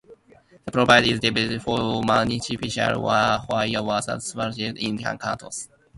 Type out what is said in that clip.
The province is divided into four municipalities which are further subdivided into cantons.